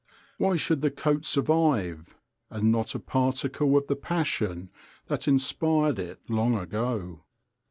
Why should the coat survive, and not a particle of the passion that inspired it long ago?